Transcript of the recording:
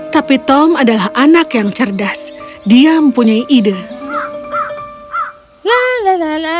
tapi tom adalah anak yang cerdas dia mempunyai ide